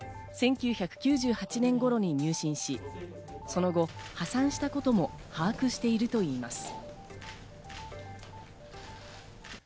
１９９８年頃に入信し、その後、破産したことも把握しているといいます。